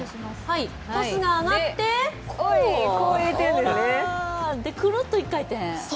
トスが上がってくるっと一回転。